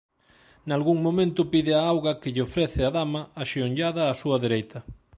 Nalgún momento pide a auga que lle ofrece a dama axeonllada á súa dereita.